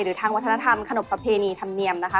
หรือทางวัฒนธรรมขนบประเพณีธรรมเนียมนะคะ